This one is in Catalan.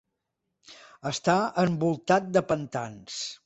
Està envoltat de pantans.